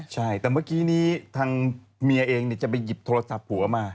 ใช่แต่เมื่อกี้นี้ทางเมียเองจะไปหยิบโทรศัพท์ผัวมา